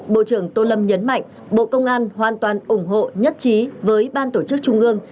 bộ trưởng tô lâm nhấn mạnh bộ công an hoàn toàn ủng hộ nhất trí với ban tổ chức trung ương